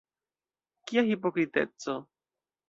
Kia hipokriteco!